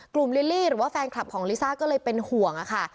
ลิลลี่หรือว่าแฟนคลับของลิซ่าก็เลยเป็นห่วงค่ะ